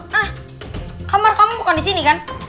nah kamar kamu bukan di sini kan